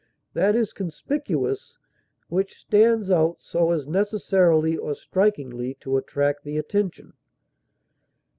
That is conspicuous which stands out so as necessarily or strikingly to attract the attention.